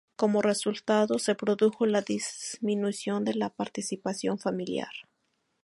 Como resultado se produjo la disminución de la participación familiar.